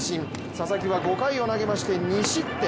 佐々木は５回を投げまして２失点。